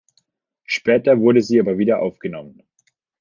Später wurde sie aber wieder aufgenommen.